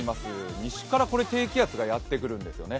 西から低気圧がやってくるんですよね。